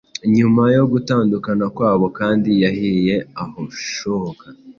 nyuma yo gutandukana kwabo, kandi yahie aohoka